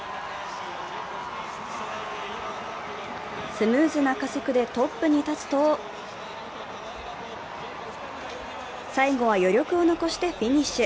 スムーズな加速でトップに立つと最後は余力を残してフィニッシュ。